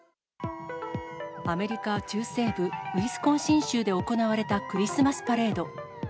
アメリカ中西部ウィスコンシン州で行われたクリスマスパレード。